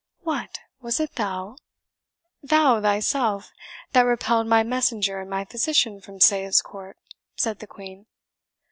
"What! was it thou? thou thyself, that repelled my messenger and my physician from Sayes Court?" said the Queen.